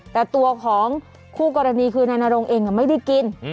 แต่ตัวของคู่กรณีคือนายนรงเองไม่ได้กิน